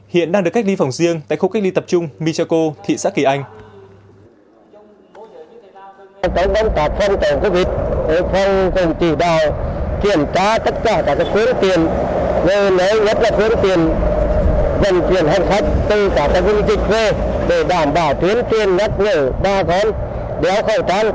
hiện đang được cách ly phòng riêng tại khu cách ly tập trung michaco thị xã kỳ anh